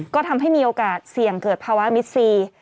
ก็ทำให้มีโอกาสเสี่ยงเกิดภาวะมิดซี